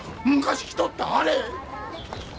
昔着とったあれ！